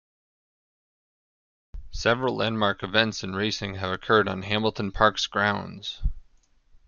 Several landmark events in racing have occurred on Hamilton Park's grounds.